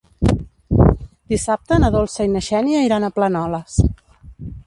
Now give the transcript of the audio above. Dissabte na Dolça i na Xènia iran a Planoles.